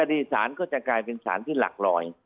ดีสารก็จะกลายเป็นสารที่หลักลอย